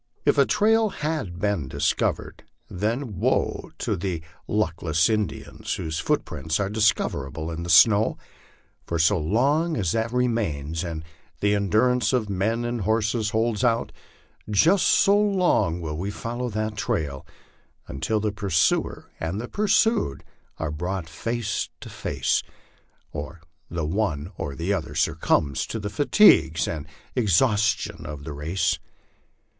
If a trail has been discovered, then woe unto the luck less Indians whose footprints are discoverable in the snow ; for so long as that remains and the endurance of men and horses holds out, just so long will we follow that trail, until the pursuer and pursued are brought face to face, or the one or the other succumbs to the fatigues and exhaustion of the race.